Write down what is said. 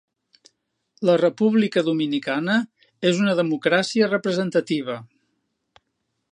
La República Dominicana és una democràcia representativa.